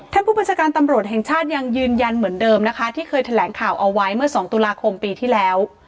ผู้บัญชาการตำรวจแห่งชาติยังยืนยันเหมือนเดิมนะคะที่เคยแถลงข่าวเอาไว้เมื่อ๒ตุลาคมปีที่แล้ว